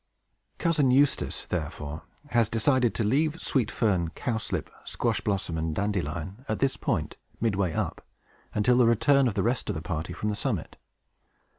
Cousin Eustace, therefore, has decided to leave Sweet Fern, Cowslip, Squash Blossom, and Dandelion, at this point, midway up, until the return of the rest of the party from the summit.